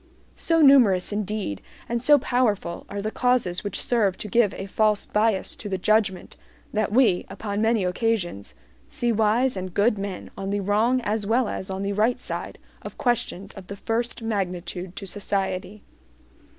So numerous indeed and so powerful are the causes which serve to give a false bias to the judgment, that we, upon many occasions, see wise and good men on the wrong as well as on the right side of questions of the first magnitude to society.